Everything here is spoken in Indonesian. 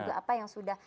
dan juga apa yang sudah